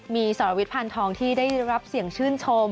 มีสรวิทยพันธองที่ได้รับเสียงชื่นชม